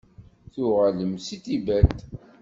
Tuɣalemt-d seg Tibet?